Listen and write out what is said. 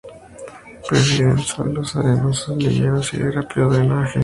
Prefieren suelos arenosos, livianos y de rápido drenaje.